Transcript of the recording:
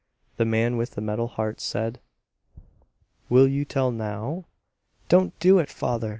The man with the metal heart said: "Will you tell now?" "Don't do it father!"